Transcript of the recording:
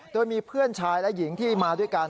โดยมีเพื่อนชายและหญิงที่มาด้วยกัน